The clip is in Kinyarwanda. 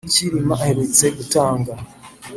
Cyilima aherutse gutanga